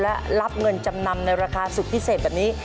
และรับเงินจำนำในราคาสุดพิเศษแบบนี้